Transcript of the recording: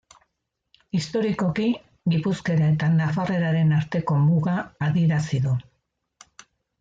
Historikoki Gipuzkera eta Nafarreraren arteko muga adierazi du.